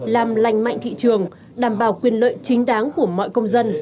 làm lành mạnh thị trường đảm bảo quyền lợi chính đáng của mọi công dân